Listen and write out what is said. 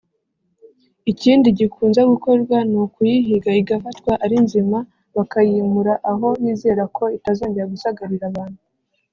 Ikindi gikunze gukorwa ni ukuyihiga igafatwa ari nzima bakayimura aho bizera ko itazongera gusagarira abantu